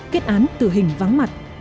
kết án tử hình vắng mặt